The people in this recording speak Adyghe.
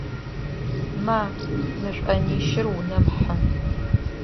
Ма, мы шӏонищыр унэм хьы!